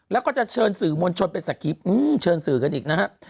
แล้วก็จะเชิญสื่อมนชนเป็นสคริปอื้มเชิญสื่อกันอีกนะฮะ